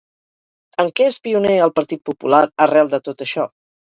En què és pioner el Partit Popular arrel de tot això?